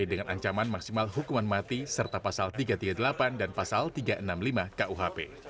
dengan ancaman maksimal hukuman mati serta pasal tiga ratus tiga puluh delapan dan pasal tiga ratus enam puluh lima kuhp